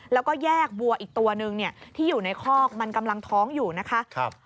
แล้วก็แยกวัวอีกตัวนึงที่อยู่ในคอกมันกำลังท้องอยู่นะคะ